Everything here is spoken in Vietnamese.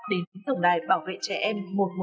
đến tổng đài bảo vệ trẻ em một trăm một mươi